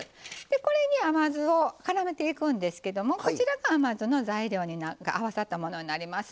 これに甘酢をからめていくんですけどもこちらが材料が合わさったものになります。